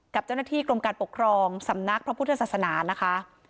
กับเจ้าหน้าที่กรมการปกครองสำนักพระพุทธศาสนานะคะ